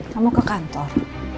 kamu ke kantor